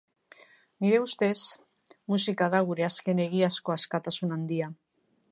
Nire ustez, musika da gure azken egiazko askatasun handia.